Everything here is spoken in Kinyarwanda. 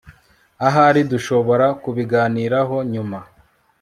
Ahari dushobora kubiganiraho nyuma